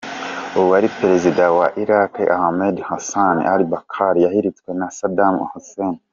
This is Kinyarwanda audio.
Uwari perezida wa Iraq Ahmed Hassan al-Bakr yahiritswe na Saddam Hussein.